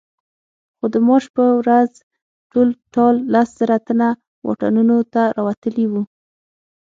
خو د مارش په ورځ ټول ټال لس زره تنه واټونو ته راوتلي وو.